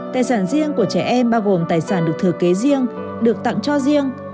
tài sản riêng của trẻ em bao gồm tài sản được thừa kế riêng được tặng cho riêng